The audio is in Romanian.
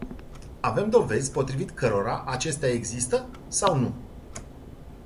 Avem dovezi potrivit cărora acestea există sau nu?